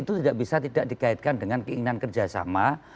itu tidak bisa tidak dikaitkan dengan keinginan kerjasama